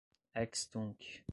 ex tunc